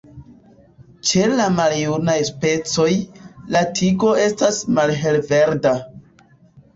Ĉe la maljunaj specoj, la tigo estas malhelverda.